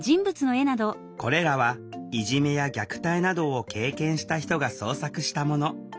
これらはいじめや虐待などを経験した人が創作したもの。